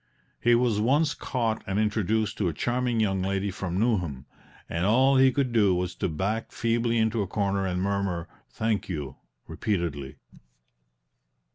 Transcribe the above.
He was once caught and introduced to a charming young lady from Newnham, and all he could do was to back feebly into a corner and murmur "Thank you," repeatedly.